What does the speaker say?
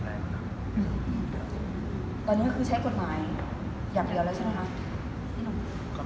หรือว่าใช้ความสู้ขวายความไม่เข้า